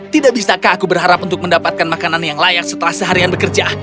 tidak bisakah aku berharap untuk mendapatkan makanan yang layak setelah seharian bekerja